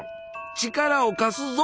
力を貸すぞ！